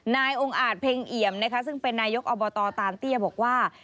นายองอาจเพ็งเหบซึ่งเป็นนายยกอบตตามเตี้ยบอกว่า